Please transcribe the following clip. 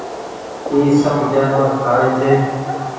اي سب جآنور کآوي ڇي۔